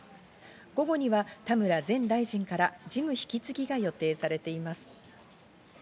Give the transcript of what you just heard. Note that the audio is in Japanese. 午後には田村前大臣から事務引き継ぎが予定されています。